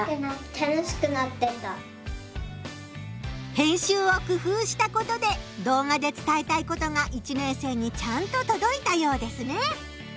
編集を工夫したことで動画で伝えたいことが１年生にちゃんととどいたようですね！